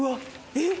えっ？